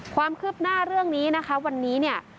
ความคืบหน้าเรื่องนี้นะคะวันนี้เนี่ย